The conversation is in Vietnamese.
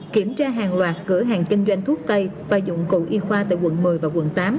kiểm tra hàng loạt cửa hàng kinh doanh thuốc tây và dụng cụ y khoa tại quận một mươi và quận tám